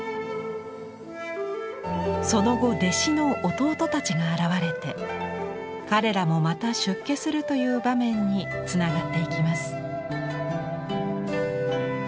その後弟子の弟たちが現れて彼らもまた出家するという場面につながっていきます。